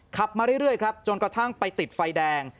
ขับมาเรื่อยครับจนกระทั่งไปติดไฟแดง